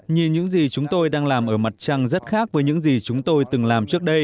nhìn những gì chúng tôi đang làm ở mặt trăng rất khác với những gì chúng tôi từng làm trước đây